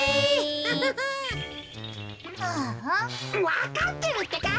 わかってるってか！